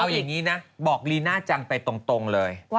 เอาอย่างนี้นะบอกลีน่าจังไปตรงเลย